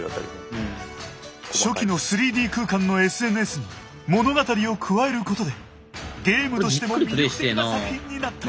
初期の３Ｄ空間のＳＮＳに物語を加えることでゲームとしても魅力的な作品になった。